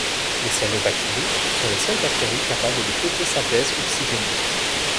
Les cyanobactéries sont les seules bactéries capables de photosynthèse oxygénique.